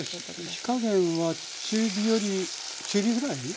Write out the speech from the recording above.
火加減は中火より中火ぐらい？ですか？